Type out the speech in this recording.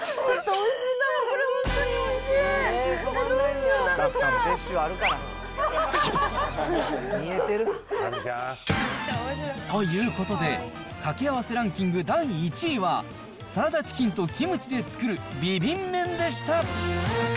どうしよう、食べちゃう。ということで、かけあわせランキング第１位は、サラダチキンとキムチで作るビビン麺でした。